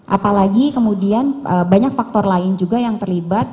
apalagi kemudian banyak faktor lain juga yang terlibat